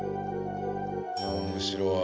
面白い。